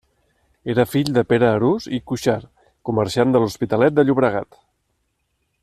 Era fill de Pere Arús i Cuixart, comerciant de l'Hospitalet de Llobregat.